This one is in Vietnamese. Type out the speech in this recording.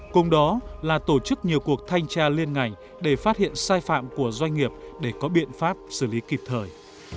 cùng đó là tổ chức nhiều cuộc thanh tra liên ngành để phát hiện sai phạm của doanh nghiệp để có biện pháp xử lý kịp thời